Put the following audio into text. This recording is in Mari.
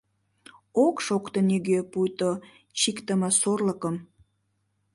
Ок шокто нигӧ — пуйто чиктыме сорлыкым.